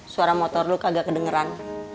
suara motor lo kagak kedengeran